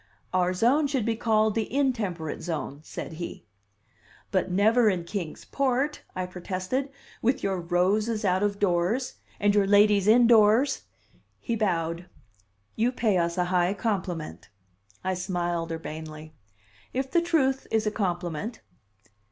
"Our zone should be called the Intemperate zone," said he. "But never in Kings Port," I protested; "with your roses out of doors and your ladies indoors!" He bowed. "You pay us a high compliment." I smiled urbanely. "If the truth is a compliment!"